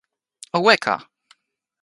o weka!